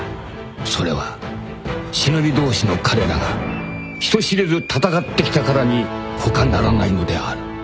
［それは忍び同士の彼らが人知れず戦ってきたからに他ならないのである］